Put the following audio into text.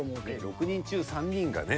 ６人中３人がね